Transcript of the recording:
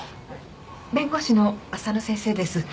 弁護士の浅野先生です。